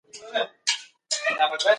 ټولنیز عدالت د سالمې ټولني بنسټ دی.